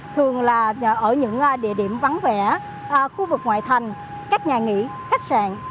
thường là ở những địa điểm vắng vẻ khu vực ngoại thành các nhà nghỉ khách sạn